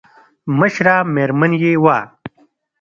مشره مېرمن يې وه.